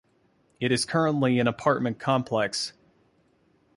It is currently an apartment complex.